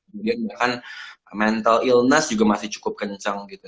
kemudian bahkan mental illness juga masih cukup kencang gitu